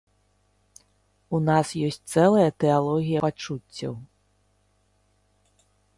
У нас ёсць цэлая тэалогія пачуццяў.